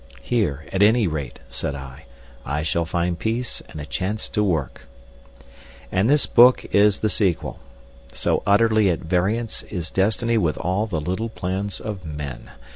"Here, at any rate," said I, "I shall find peace and a chance to work!" And this book is the sequel. So utterly at variance is destiny with all the little plans of men.